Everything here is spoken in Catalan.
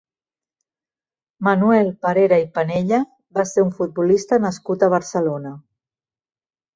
Manuel Parera i Penella va ser un futbolista nascut a Barcelona.